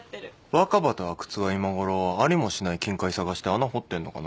若葉と阿久津は今ごろありもしない金塊探して穴掘ってんのかな？